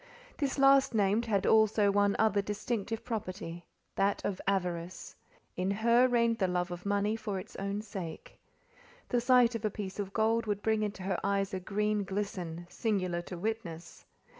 This last named had also one other distinctive property—that of avarice. In her reigned the love of money for its own sake. The sight of a piece of gold would bring into her eyes a green glisten, singular to witness.